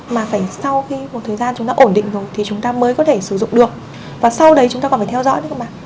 mà phải sau một thời gian chúng ta ổn định rồi thì chúng ta mới có thể sử dụng được và sau đấy chúng ta còn phải theo dõi nữa mà